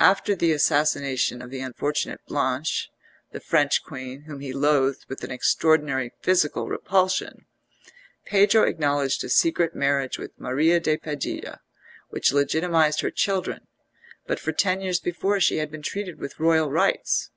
After the assassination of the unfortunate Blanche, the French Queen whom he loathed with an extraordinary physical repulsion, Pedro acknowledged a secret marriage with Maria de Padilla, which legitimised her children; but for ten years before she had been treated with royal rights.